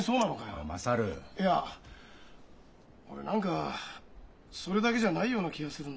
いや俺何かそれだけじゃないような気がするんだよ。